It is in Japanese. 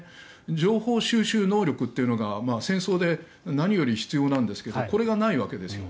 情報収集能力というのが戦争で何より必要なんですがこれがないわけですよ。